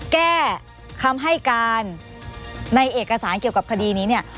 แก้คำให้การในเอกสารเกี่ยวกับคดีนี้เนี่ย